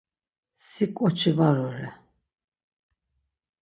Si ǩoçi var ore!